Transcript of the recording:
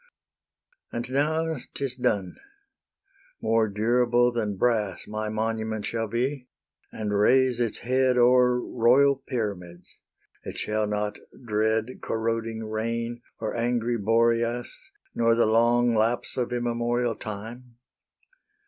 And now 'tis done: more durable than brass My monument shall be, and raise its head O'er royal pyramids: it shall not dread Corroding rain or angry Boreas, Nor the long lapse of immemorial time.